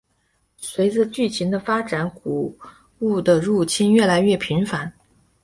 随着剧情的发展古物的入侵越来越频繁。